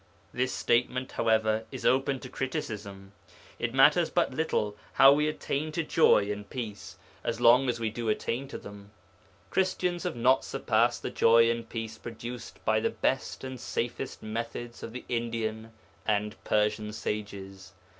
This statement, however, is open to criticism. It matters but little how we attain to joy and peace, as long as we do attain to them. Christians have not surpassed the joy and peace produced by the best and safest methods of the Indian and Persian sages.